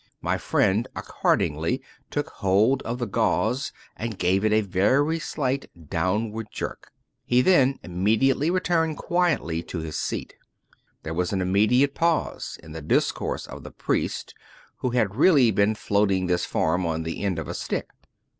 My friend accordingly took hold of the 277 True Stories of Modern Magic gauze and gave it a very slight downward jerk. He then immediately returned quietly to his seat. There was an immediate pause in the discourse of the priest/' who had really been floating this form on the end of a stick.